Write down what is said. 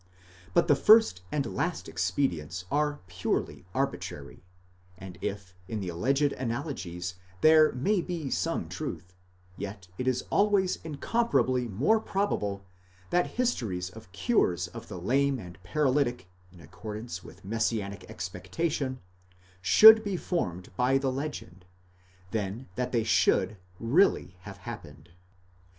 ® But the first and last expedients are purely arbitrary ; and if in the alleged analogies there may be some truth, yet it is always incomparably more probable that histories of cures of the lame and paralytic in accordance with messianic expectation, should be formed by the legend, than that they should really have happened.